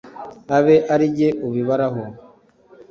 aba ari jye ubibaraho